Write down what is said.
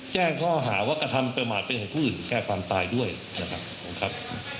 เจ้งเข้าหาวัคษรรภาพมาเป็นให้ผู้อื่นแก้ความตายด้วยนะครับผมครับ